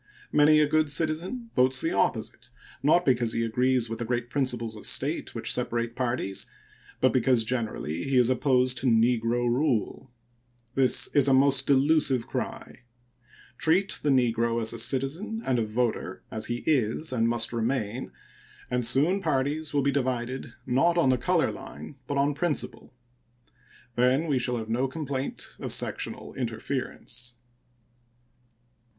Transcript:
Many a good citizen votes the opposite, not because he agrees with the great principles of state which separate parties, but because, generally, he is opposed to negro rule. This is a most delusive cry. Treat the negro as a citizen and a voter, as he is and must remain, and soon parties will be divided, not on the color line, but on principle. Then we shall have no complaint of sectional interference.